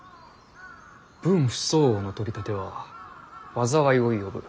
分不相応な取り立ては災いを呼ぶ。